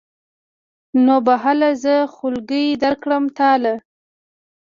نو به هله زه خولګۍ درکړمه تاله.